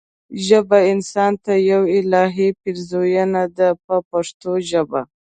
ژبه انسان ته یوه الهي پیرزوینه ده په پښتو ژبه.